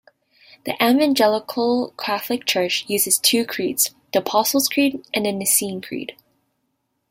The Evangelical Catholic Church uses two creeds: the Apostles' Creed and the Nicene Creed.